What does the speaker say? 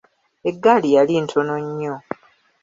Egaali yali ntono nnyo.